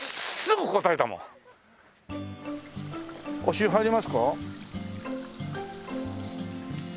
足湯入りますか？